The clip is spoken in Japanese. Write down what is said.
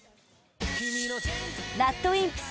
ＲＡＤＷＩＭＰＳ